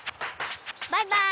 バイバーイ！